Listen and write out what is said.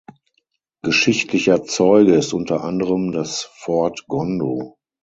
Geschichtlicher Zeuge ist unter anderem das Fort Gondo.